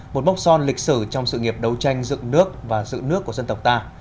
một mốc son lịch sử trong sự nghiệp đấu tranh dựng nước và giữ nước của dân tộc ta